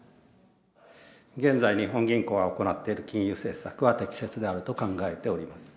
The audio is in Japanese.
現在日本銀行が行っている金融政策は適切であると考えております。